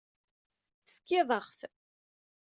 Tefkiḍ-aɣ-t.